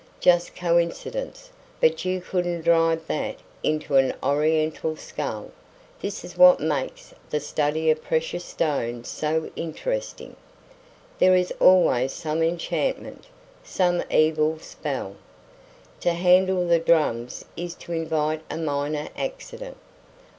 Just coincidence; but you couldn't drive that into an Oriental skull. This is what makes the study of precious stones so interesting. There is always some enchantment, some evil spell. To handle the drums is to invite a minor accident.